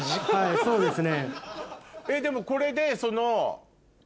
そうですね